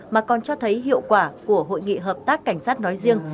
mà còn cho thấy hiệu quả của hội nghị hợp tác cảnh sát nói riêng